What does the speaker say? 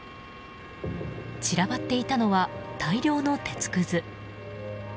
散らばっていたのは大量の鉄くず。